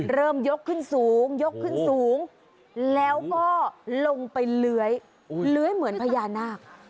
เริ่มยกขึ้นสูงแล้วก็ลงไปเลื้อยเหมือนพญานาค